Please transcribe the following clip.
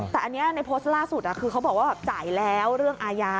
แต่อันนี้ในโพสต์ล่าสุดคือเขาบอกว่าจ่ายแล้วเรื่องอาญา